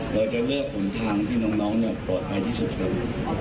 เราจะเลือกทางที่น้องเนี่ยปลอดภัยที่สุดขึ้น